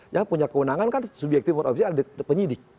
yang punya kewenangan kan subjektif pun ada penyidik